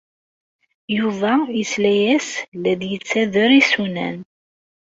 Yuba yesla-as la d-yettader isunan.